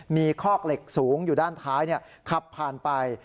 มีคอกเหล็กสูงอยู่ด้านท้ายขับผ่านไป